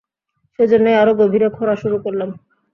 সেজন্যই আরো গভীরে খোঁড়া শুরু করলাম।